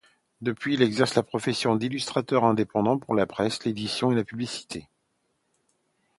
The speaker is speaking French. Depuis, il exerce la profession d’illustrateur indépendant pour la presse, l’édition et la publicité.